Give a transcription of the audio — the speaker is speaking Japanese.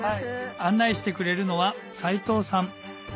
案内してくれるのは斎藤さん